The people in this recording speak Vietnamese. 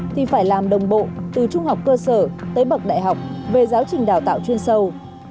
thì phải làm đồng bộ từ trung học cơ sở tới bậc đại học về giáo trình đào tạo chuyên sâu